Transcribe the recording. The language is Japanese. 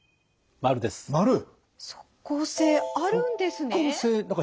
即効性あるんですね。